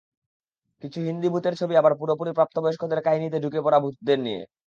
কিছু হিন্দি ভূতের ছবি আবার পুরোপুরি প্রাপ্তবয়স্কদের কাহিনিতে ঢুকে পড়া ভূতদের নিয়ে।